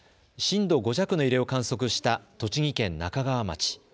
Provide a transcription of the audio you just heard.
震度５弱の揺れを観測した栃木県那珂川町。